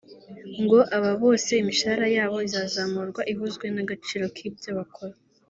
ngo aba bose imishahara yabo izazamurwa ihuzwe n’agaciro k’ibyo bakora